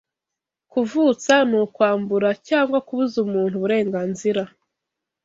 Kuvutsa ni Kwambura cyangwa kubuza umuntu uburenganzira